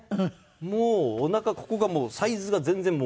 もうおなかここがサイズが全然無理で。